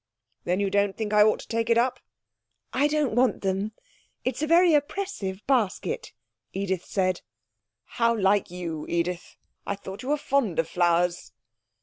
'Then you don't think I ought to take it up?' 'I don't want them. It's a very oppressive basket,' Edith said. 'How like you, Edith! I thought you were fond of flowers.'